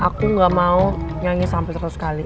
aku gak mau nyanyi sampai seratus kali